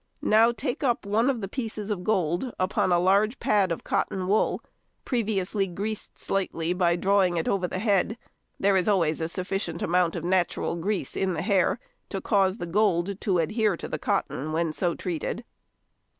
Now take up one of the pieces of gold upon a large pad of cotton wool, previously greased slightly by drawing it over the head. (There is always a sufficient amount of natural grease in the hair to cause the gold to adhere to the cotton when so treated.)